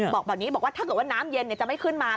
บอกแบบนี้บอกว่าถ้าเกิดว่าน้ำเย็นจะไม่ขึ้นมา